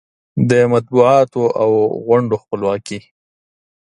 د مطبوعاتو او غونډو خپلواکي